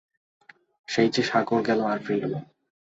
সেই যে সাগর গেল আর ফিরল না।